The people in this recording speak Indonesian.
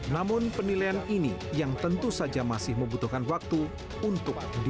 namun penilaian ini yang tentu saja masih membutuhkan waktu untuk diberikan